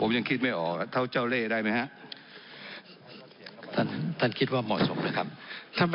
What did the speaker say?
ผมยังคิดไม่ออกเท่าเจ้าเล่ได้ไหมครับ